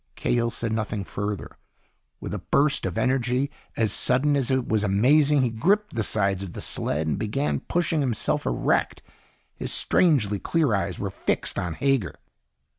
Cahill said nothing further. With a burst of energy as sudden as it was amazing, he gripped the sides of the sled and began pushing himself erect. His strangely clear eyes were fixed on Hager.